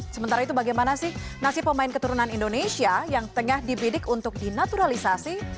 sementara itu bagaimana sih nasib pemain keturunan indonesia yang tengah dibidik untuk dinaturalisasi